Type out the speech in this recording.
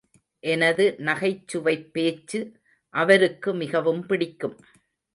எனது நகைச்சுவைப் பேச்சு அவருக்கு மிகவும் பிடிக்கும்.